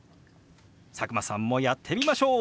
佐久間さんもやってみましょう！